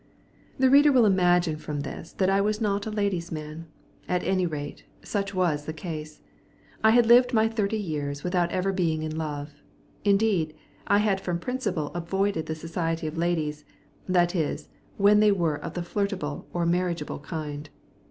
The reader will imagine from this that I was not a lady's man. At any rate, such was the case. I had lived my thirty years without ever being in love; indeed, I had from principle avoided the society of ladies, that is, when they were of the flirtable or marriageable kind.